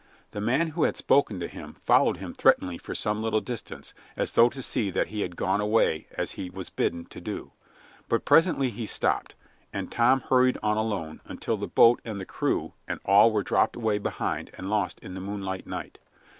The man who had spoken to him followed him threateningly for some little distance, as though to see that he had gone away as he was bidden to do. But presently he stopped, and Tom hurried on alone, until the boat and the crew and all were dropped away behind and lost in the moonlight night.